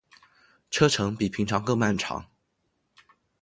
车程比平常更漫长